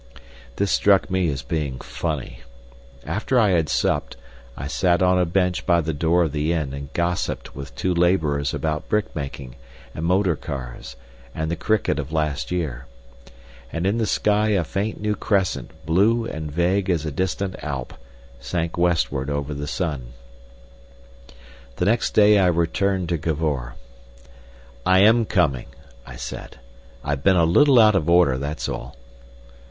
This struck me as being funny. After I had supped I sat on a bench by the door of the inn and gossiped with two labourers about brickmaking, and motor cars, and the cricket of last year. And in the sky a faint new crescent, blue and vague as a distant Alp, sank westward over the sun. The next day I returned to Cavor. "I am coming," I said. "I've been a little out of order, that's all."